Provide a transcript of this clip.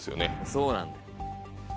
そうなんだよ。